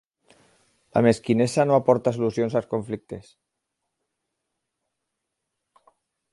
La mesquinesa no aporta solucions als conflictes.